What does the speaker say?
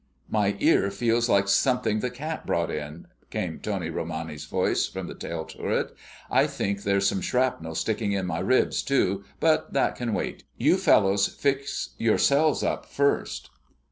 "My ear feels like something the cat brought in," came Tony Romani's voice from the tail turret. "I think there's some shrapnel sticking in my ribs, too, but that can wait. You fellows fix yourselves up first."